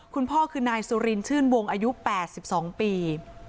คุณพ่อคือนายสุรินชื่นวงอายุ๘๒ปี